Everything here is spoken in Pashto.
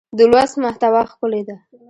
د لوست محتوا ښکلې ده.